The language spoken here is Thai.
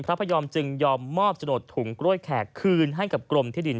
พระพยอมจึงยอมมอบโฉนดถุงกล้วยแขกคืนให้กับกรมที่ดิน